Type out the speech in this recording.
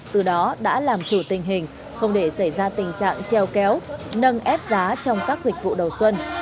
từ đó đã làm chủ tình hình không để xảy ra tình trạng treo kéo nâng ép giá trong các dịch vụ đầu xuân